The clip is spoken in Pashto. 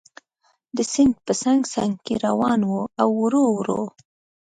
د سیند په څنګ څنګ کې روان و او ورو ورو.